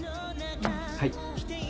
はい。